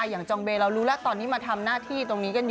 จองเบย์เรารู้แล้วตอนนี้มาทำหน้าที่ตรงนี้กันอยู่